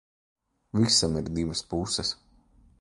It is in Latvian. Visam ir divas puses.